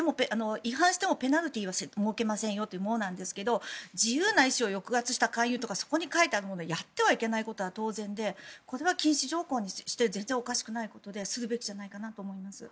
違反してもペナルティーは設けませんというもので自由な意思を抑圧した勧誘とかそこに書いてあることはやってはいけないことは当然でこれは禁止条項にして全然おかしくないことでするべきじゃないかと思います。